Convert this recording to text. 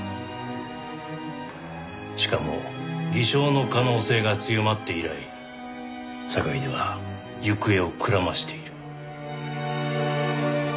しかも偽証の可能性が強まって以来坂出は行方をくらましている。